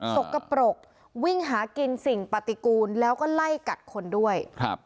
สกปรกวิ่งหากินสิ่งปฏิกูลแล้วก็ไล่กัดคนด้วยครับ